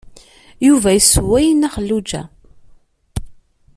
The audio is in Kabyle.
Yuba yessewway i Nna Xelluǧa.